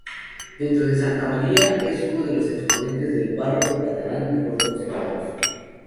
Dentro de Santa María, es uno de los exponentes del Barroco catalán mejor conservados.